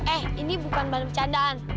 eh ini bukan bahan candaan